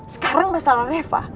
sekarang masalah reva